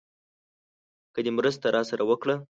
که دې مرسته راسره وکړه.